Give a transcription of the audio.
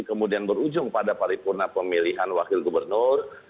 kemudian berujung pada paripurna pemilihan wakil gubernur